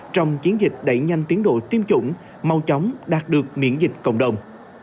trong chiến dịch đẩy nhanh tiến độ tiêm chủng mau chóng đạt được miễn dịch cộng đồng